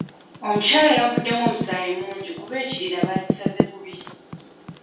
Omukyala avuddemu omusaayi mungi kuba ekirira bakisaze bubi.